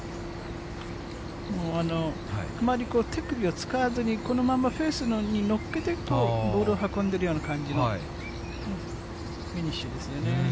もうあまり手首を使わずに、このまんまフェースに乗っけて、ボールを運んでるような感じのフィニッシュですよね。